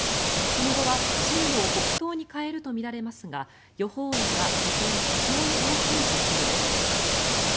その後は進路を北東に変えるとみられますが予報円は依然、非常に大きい状況です。